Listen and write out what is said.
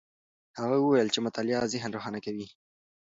هغه وویل چې مطالعه ذهن روښانه کوي.